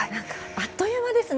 あっという間ですね。